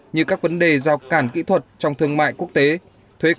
như các vấn đề giao cản kỹ thuật trong thương mại quốc tế thuế quan cơ chế thanh toán